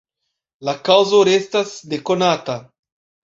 La kaŭzo restas ne konata.